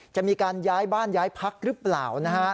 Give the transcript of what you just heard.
จะมีการย้ายบ้านย้ายพักหรือเปล่านะฮะ